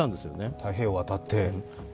太平洋を渡って。